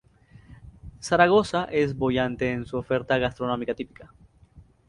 Zaragoza es boyante en su oferta gastronómica típica.